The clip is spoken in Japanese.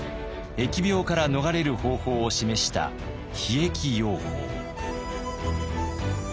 疫病から逃れる方法を示した「避疫要法」。